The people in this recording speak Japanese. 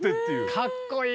かっこいい！